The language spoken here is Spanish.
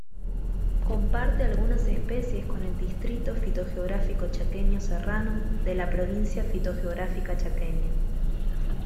Comparte algunas especies con el Distrito fitogeográfico Chaqueño Serrano de la Provincia fitogeográfica Chaqueña.